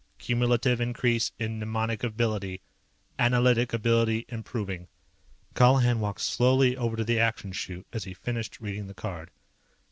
Cumulative increase in mnemonic ability. Analytic ability improving._" Colihan walked slowly over to the Action Chute as he finished reading the card.